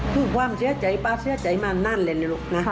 คือความเชื่อใจปลาเชื่อใจมานั่นเลยลูกนะ